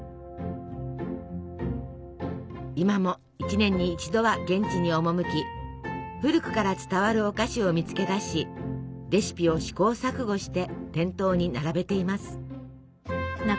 今も一年に一度は現地に赴き古くから伝わるお菓子を見つけ出しレシピを試行錯誤して店頭に並べています。